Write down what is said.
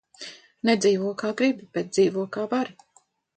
Nedzīvo, kā gribi, bet dzīvo, kā vari.